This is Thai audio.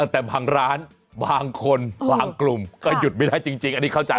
แต่บางร้านบางคนบางกลุ่มก็หยุดไม่ได้จริงอันนี้เข้าใจ